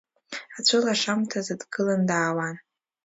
Ацәылашамҭазы дгылан даауан.